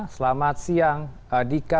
selamat siang dika